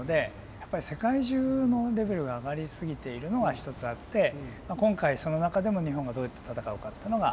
やっぱり世界中のレベルが上がり過ぎているのは一つあって今回その中でも日本がどうやって戦うかってのが大事。